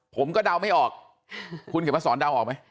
เดาไม่ออกคุณเขียนมาสอนเดาออกไหม